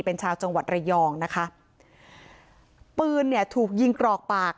เป็นชาวจังหวัดระยองนะคะปืนเนี่ยถูกยิงกรอกปาก